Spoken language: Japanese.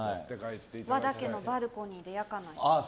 和田家のバルコニーで焼かないと。